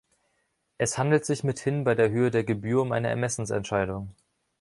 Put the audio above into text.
Es handelt sich mithin bei der Höhe der Gebühr um eine Ermessensentscheidung.